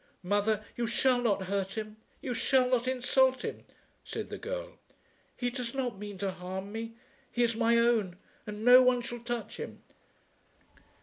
"Mother, you shall not hurt him; you shall not insult him," said the girl. "He does not mean to harm me. He is my own, and no one shall touch him."